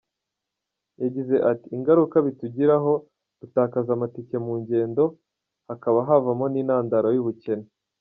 Yagize ati “Ingaruka bitugiraho dutakaza amatike mu ngendo, hakaba havamo n’intandaro y’ubukene.